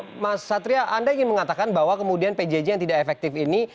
oke mas satria anda ingin mengatakan bahwa kemudian pjj yang tidak efektif ini